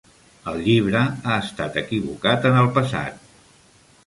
El llibre ha estat equivocat en el passat.